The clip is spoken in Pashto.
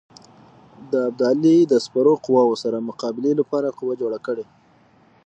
د ابدالي د سپرو قواوو سره مقابلې لپاره قوه جوړه کړي.